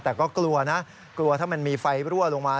แต่ก็กลัวนะกลัวถ้ามันมีไฟรั่วลงมา